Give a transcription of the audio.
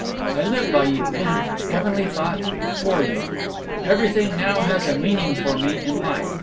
I live by you and heavenly thought! for you. Everything now has a meaning for me in life.